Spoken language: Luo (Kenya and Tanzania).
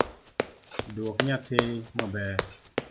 Duok nyathi maber